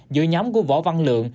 giữa nhóm của võ văn lượng